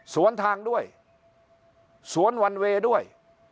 สวนทางด้วยสวนวันเวย์ด้วย